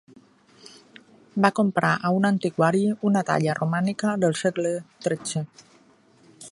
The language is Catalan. Va comprar a un antiquari una talla romànica del segle tretze.